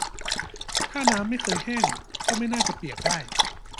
ถ้าน้ำไม่เคยแห้ง ก็ไม่น่าจะเปียกได้